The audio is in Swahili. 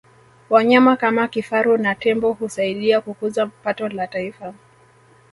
wanyama kama kifaru na tembo husaidia kukuza pato la taifa